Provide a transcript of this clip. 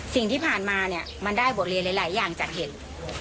สิ่งที่ผ่านมาเนี่ยมันได้บทเรียนหลายอย่างจากเหตุ